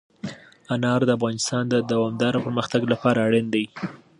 انار د افغانستان د دوامداره پرمختګ لپاره اړین دي.